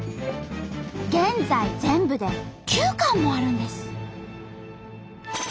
現在全部で９館もあるんです。